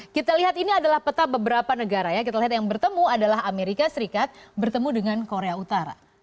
kita lihat ini adalah peta beberapa negara ya kita lihat yang bertemu adalah amerika serikat bertemu dengan korea utara